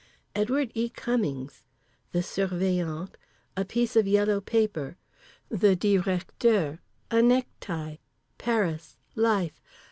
Edward E. Cummings. The Surveillant. A piece of yellow paper. The Directeur. A necktie. Paris. Life.